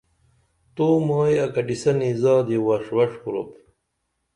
تو مائی اکٹِسنی زادی وݜ وݜ کُرُپ